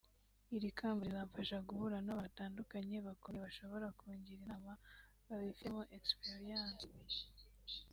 Iri kamba rizamfasha guhura n’abantu batandukanye bakomeye bashobora kungira inama babifitemo experience